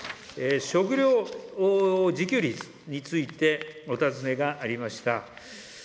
食料自給率についてお尋ねがありました。